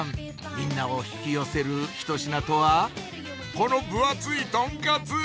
みんなを引き寄せる一品とはこの分厚いとんかつ！